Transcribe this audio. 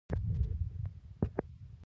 تر تا بل هر څوک تکړه ده.